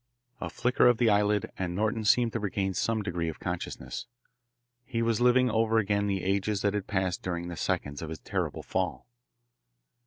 A flicker of the eyelid and Norton seemed to regain some degree of consciousness. He was living over again the ages that had passed during the seconds of his terrible fall.